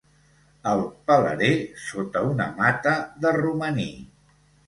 El pelaré sota una mata de romaní.